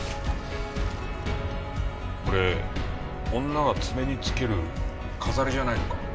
これ女が爪につける飾りじゃないのか？